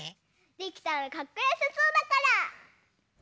できたらかっこよさそうだから！